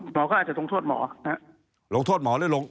หมอก็อาจจะลงโทษหมอ